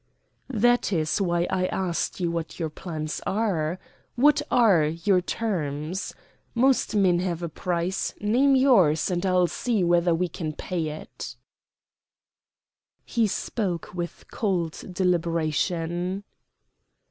"That is why I asked what your plans are. What are your terms? Most men have a price. Name yours, and I'll see whether we can pay it." He spoke with cold deliberation.